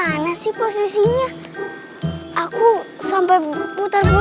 saya hanya beri sebuah istimewa perlu